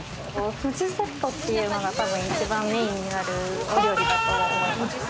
冨士セットっていうのが多分一番メインになる料理だと思います。